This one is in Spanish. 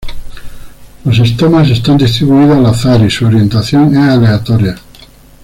Los estomas están distribuidos al azar y su orientación es aleatoria.